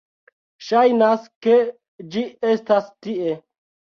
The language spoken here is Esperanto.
Ŝajnas, ke ĝi estas tie